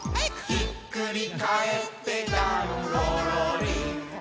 「ひっくりかえってだんごろりーん」